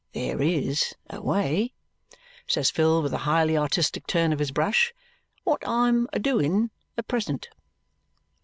There IS a way," says Phil with a highly artistic turn of his brush; "what I'm a doing at present."